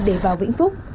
để vào vĩnh phúc